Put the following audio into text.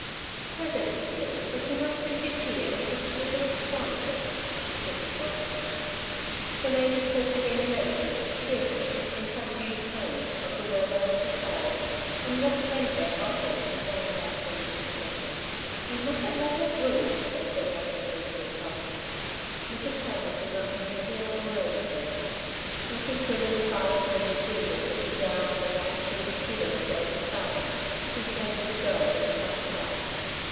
"Presently, dearie, but you must drink your tea and eat this little bit of scone first," Mrs. Ross said. The neighbours talked again nervously, cheerfully, in subdued tones, of the weather, the sales, and what the men of their households were saying about things in general. "We mustn't let her brood," they said anxiously to each other. Mrs. Cameron did not seem to hear or notice them. When she stood in the silent room with Deirdre looking down on the white sheeted figure of Davey's father, she turned to the girl with a sharp cry.